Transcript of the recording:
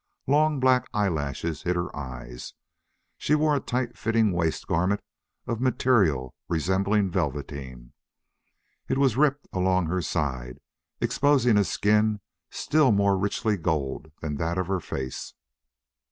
Long black eyelashes hid her eyes. She wore a tight fitting waist garment of material resembling velveteen. It was ripped along her side, exposing a skin still more richly gold than that of her face.